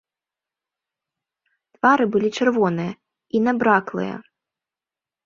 Твары былі чырвоныя і набраклыя.